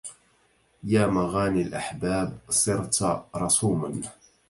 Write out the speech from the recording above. يا مغاني الأحباب صرت رسوما